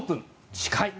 近い。